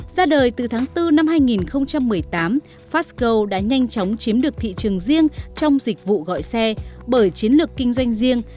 ra đời từ tháng bốn năm hai nghìn một mươi tám fastgo đã nhanh chóng chiếm được thị trường riêng trong dịch vụ gọi xe bởi chiến lược kinh doanh riêng